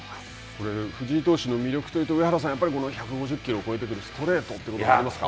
これ藤井投手の魅力というと上原さん、１５０キロを超えてくるストレートということになりますか。